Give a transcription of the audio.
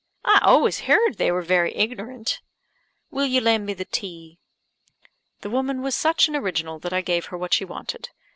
I always heer'd they were very ignorant. Will you lend me the tea?" The woman was such an original that I gave her what she wanted.